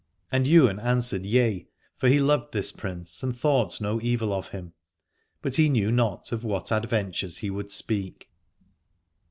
And Ywain answered yea, for he loved this Prince and thought no evil of him : but he knew not of what ad ventures he would speak.